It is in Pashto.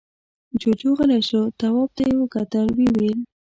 جُوجُو غلی شو. تواب ته يې وکتل، ويې ويل: